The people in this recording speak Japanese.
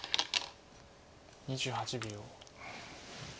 ２８秒。